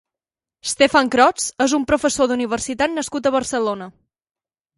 Stefan Krotz és un professor d'universitat nascut a Barcelona.